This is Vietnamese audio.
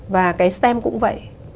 và cái stem cũng vậy